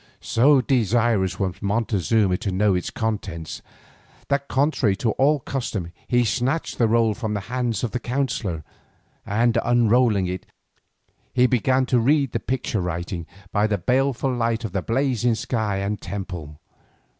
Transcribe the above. So desirous was Montezuma to know its contents, that contrary to all custom he snatched the roll from the hands of the counsellor, and unrolling it, he began to read the picture writing by the baleful light of the blazing sky and temple.